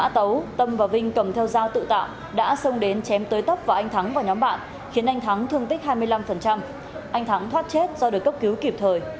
anh tấu tâm và vinh cầm theo dao tự tạo đã xông đến chém tới tấp và anh thắng và nhóm bạn khiến anh thắng thương tích hai mươi năm anh thắng thoát chết do được cấp cứu kịp thời